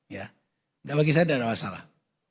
ya bagi saya tidak ada masalah